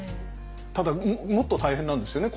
ただもっと大変なんですよね